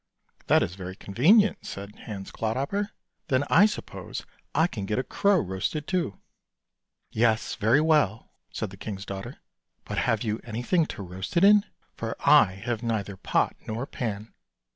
" That is very convenient," said Hans Clodhopper; " then I suppose I can get a crow roasted, too." " Yes, very well," said the king's daughter: " but have you anything to roast it in? For I have neither pot nor pan."